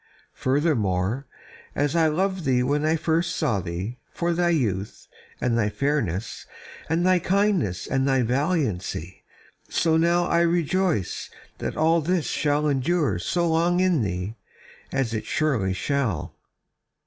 Furthermore, as I loved thee when I saw thee first, for thy youth, and thy fairness, and thy kindness and thy valiancy, so now I rejoice that all this shall endure so long in thee, as it surely shall."